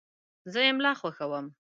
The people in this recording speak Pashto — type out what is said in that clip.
زه املا خوښوم.